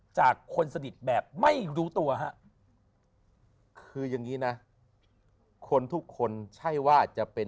จากคนสนิทแบบไม่รู้ตัวฮะคืออย่างนี้นะคนทุกคนใช่ว่าจะเป็น